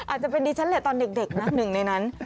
อาจจะเป็นดิฉันแหละตอนเด็กนะหนึ่งในนั้น